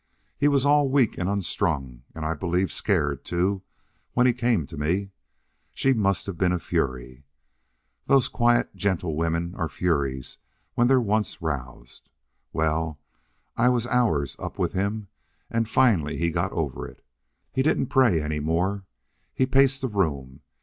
He was all weak and unstrung, and I believe scared, too, when he came to me. She must have been a fury. Those quiet, gentle women are furies when they're once roused. Well, I was hours up with him and finally he got over it. He didn't pray any more. He paced the room.